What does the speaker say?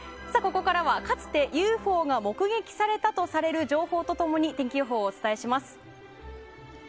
ここからはかつてＵＦＯが目撃されたという情報とともに天気予報をお伝えします。